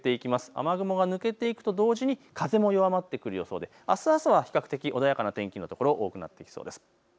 雨雲が抜けていくと同時に風も弱まってくる予想であす朝は比較的穏やかな天気の所、多くなってきそうです。